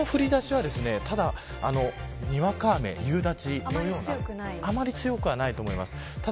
ここの降りだしはにわか雨、夕立のようなあまり強くはないと思います。